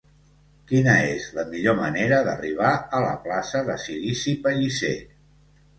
Quina és la millor manera d'arribar a la plaça de Cirici Pellicer?